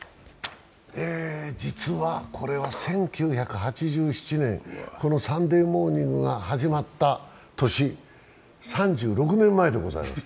実はこれは１９８７年、「サンデーモーニング」が始まった年、３６年前でございます。